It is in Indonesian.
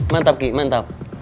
mantap ki mantap